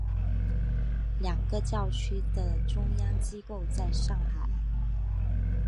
两个教区的中央机构在上海。